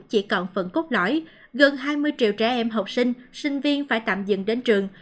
chỉ còn phần cốt lõi gần hai mươi triệu trẻ em học sinh sinh viên phải tạm dừng đến trường